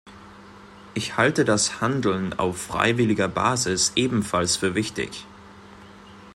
Ich halte das Handeln auf freiwilliger Basis ebenfalls für wichtig.